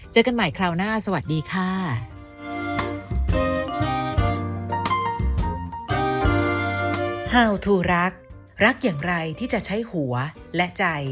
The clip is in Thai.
เจอกันใหม่คราวหน้าสวัสดีค่ะ